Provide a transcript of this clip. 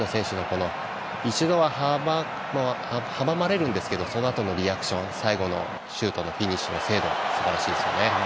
この一度、阻まれるんですけどそのあとのリアクション最後のシュートのフィニッシュの精度すばらしいですよね。